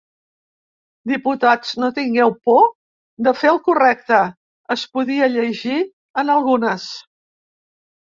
“Diputats, no tingueu por de fer el correcte” es podia llegir en algunes.